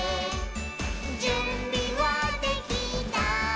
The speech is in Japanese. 「じゅんびはできた？